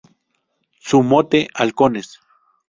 Su mote: Halcones.